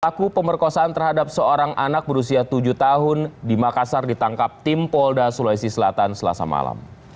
pelaku pemerkosaan terhadap seorang anak berusia tujuh tahun di makassar ditangkap tim polda sulawesi selatan selasa malam